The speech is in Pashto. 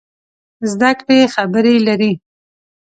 زده کړې خبرې لري.